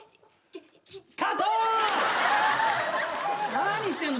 何してんの？